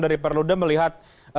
dari perludem melihat